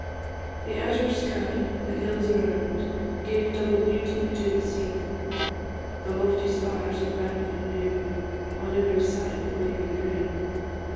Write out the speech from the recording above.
The azure sky, the hills around, Gave double beauty to the scene; The lofty spires of Banff in view On every side the waving grain.